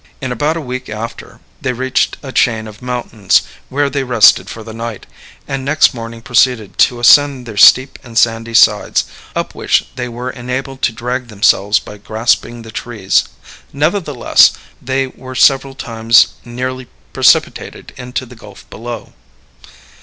In about a week after, they reached a chain of mountains, where they rested for the night, and next morning proceeded to ascend their steep and sandy sides, up which they were enabled to drag themselves by grasping the trees; nevertheless, they were several times nearly precipitated into the gulf below.